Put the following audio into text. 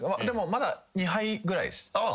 でもまだ２杯ぐらいです。